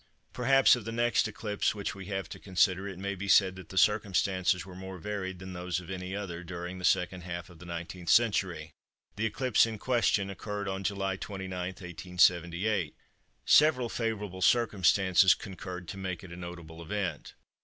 Perhaps of the next eclipse which we have to consider, it may be said that the circumstances were more varied than those of any other during the second half of the 19th century. The eclipse in question occurred on July 29, 1878. Several favourable circumstances concurred to make it a notable event.